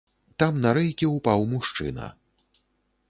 Там на рэйкі ўпаў мужчына.